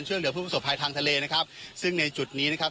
ช่วยเหลือผู้ประสบภัยทางทะเลนะครับซึ่งในจุดนี้นะครับ